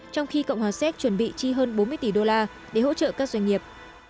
trong khi cộng hòa séc chuẩn bị chi hơn bốn mươi tỷ đô la để hỗ trợ các doanh nghiệp